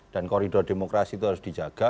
dan koridor demokrasi itu harus dijaga